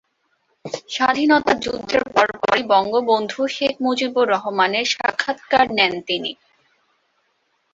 স্বাধীনতা যুদ্ধের পর পরই বঙ্গবন্ধু শেখ মুজিবুর রহমানের সাক্ষাৎকার নেন তিনি।